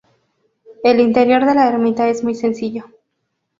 El interior de la ermita es muy sencillo.